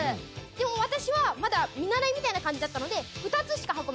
でも私はまだ見習いみたいな感じだったので。